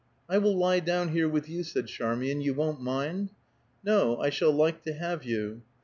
"I will lie down here with you," said Charmian. "You won't mind?" "No, I shall like to have you."